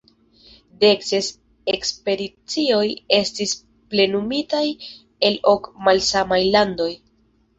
Dekses ekspedicioj estis plenumitaj el ok malsamaj landoj.